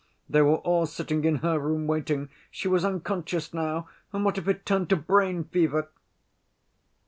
They were all sitting in her room, waiting. She was unconscious now, and what if it turned to brain fever!"